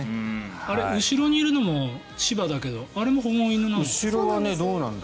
後ろにいるのも芝だけどあれも保護犬なの？